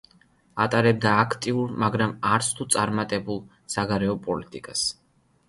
ატარებდა აქტიურ, მაგრამ არცთუ წარმატებულ საგარეო პოლიტიკას.